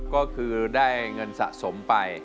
ก็คือได้เงินสะสมไป